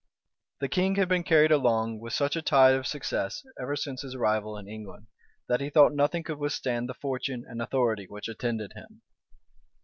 The king had been carried along with such a tide of success ever since his arrival in England, that he thought nothing could withstand the fortune and authority which attended him.